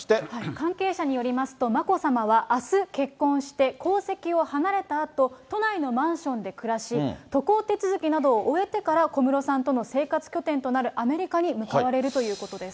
関係者によりますと、眞子さまはあす、結婚して、皇籍を離れたあと、都内のマンションで暮らし、渡航手続きなどを終えてから、小室さんとの生活拠点となるアメリカに向かわれるということです。